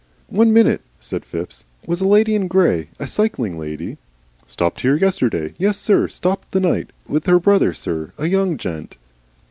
"One minute," said Phipps. "Was a lady in grey, a cycling lady " "Stopped here yesterday? Yessir. Stopped the night. With her brother, sir a young gent."